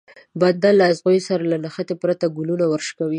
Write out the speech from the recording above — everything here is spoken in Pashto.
بنده له ازغيو سره له نښتې پرته ګلونه ورشکوي.